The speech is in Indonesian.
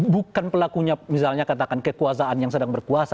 bukan pelakunya misalnya katakan kekuasaan yang sedang berkuasa